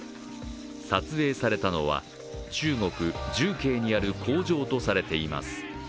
撮影されたのは、中国・重慶にある工場とされています。